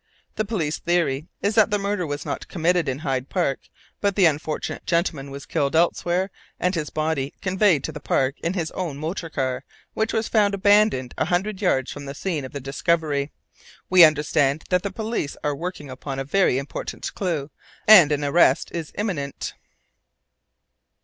The police theory is that the murder was not committed in Hyde Park, but the unfortunate gentleman was killed elsewhere and his body conveyed to the Park in his own motor car, which was found abandoned a hundred yards from the scene of the discovery. We understand that the police are working upon a very important clue, and an arrest is imminent."